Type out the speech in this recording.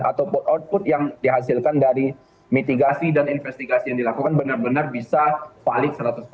atau output yang dihasilkan dari mitigasi dan investigasi yang dilakukan benar benar bisa balik seratus